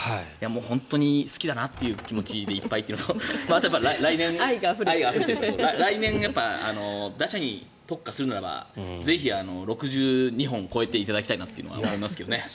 本当に好きだなという気持ちでいっぱいというのとあと来年、打者に特化するならばぜひ６２本超えていただきたいと思いますけどね。